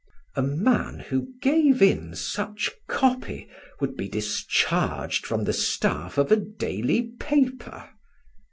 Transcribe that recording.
A man who gave in such copy would be discharged from the staff of a daily paper.